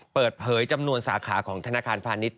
เปิดเผยจำนวนสาขาของธนาคารพาณิชย